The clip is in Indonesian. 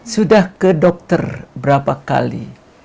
sudah ke dokter berapa kali